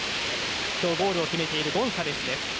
今日、ゴールを決めているゴンサレスです。